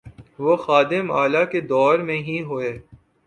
وہ خادم اعلی کے دور میں ہی ہوئے۔